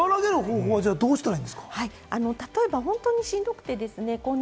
それを和らげる方法はどうしたらいいんですか？